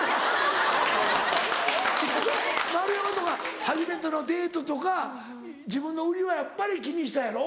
丸山とか初めてのデートとか自分の売りはやっぱり気にしたやろ？